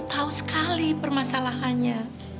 dia tahu sekali permasalahannya